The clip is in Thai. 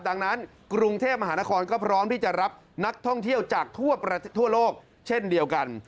ดังนั้นกรุงเทพมหานครก็พร้อมที่จะรับนักท่องเที่ยวจากทั่วโลกเช่นเดียวกัน